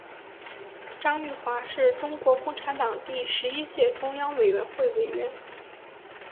张玉华是中国共产党第十一届中央委员会委员。